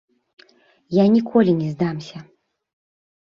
Я ніколі не здамся.